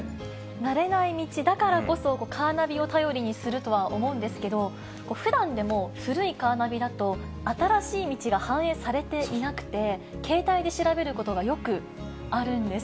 慣れない道だからこそ、カーナビを頼りにするとは思うんですけど、ふだんでも古いカーナビだと、新しい道が反映されていなくて、携帯で調べることがよくあるんです。